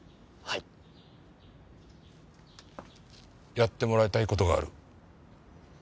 やってもらいたい事がある。